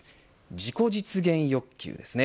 自己実現欲求ですね